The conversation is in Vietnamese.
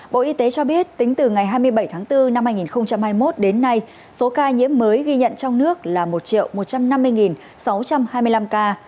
bộ y tế cho biết tính từ ngày hai mươi bảy tháng bốn năm hai nghìn hai mươi một đến nay số ca nhiễm mới ghi nhận trong nước là một một trăm năm mươi sáu trăm hai mươi năm ca